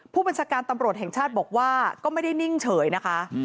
ผู้บัญชาการตำรวจแห่งชาติบอกว่าก็ไม่ได้นิ่งเฉยนะคะ